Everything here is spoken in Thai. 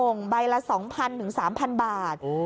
องค์ใบละ๒๐๐๐๓๐๐๐บาท